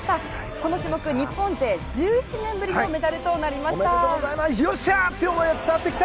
この種目日本勢１７年ぶりのメダルとなりました。